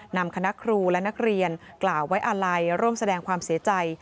นำคณะครูและนักเรียนกล่าวไว้อาลัยร่วมแสดงความเสียใจ